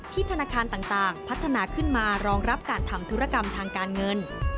ธนาคารต่างพัฒนาขึ้นมารองรับการทำธุรกรรมทางการเงิน